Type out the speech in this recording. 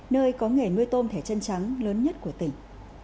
nơi có nghề nuôi tôm thẻ chân trắng lớn nhất của tỉnh